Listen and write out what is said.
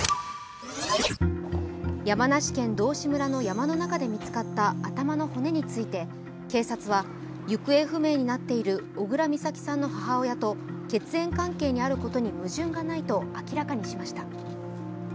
山梨県道志村の山の中で見つかった頭の骨について警察は行方不明になっている小倉美咲さんの母親と血縁関係にあることに矛盾がないと明らかにしました。